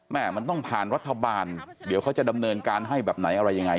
มันต้องผ่านรัฐบาลเดี๋ยวเขาจะดำเนินการให้แบบไหนอะไรยังไง